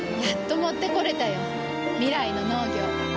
やっと持ってこれたよ。未来の農業。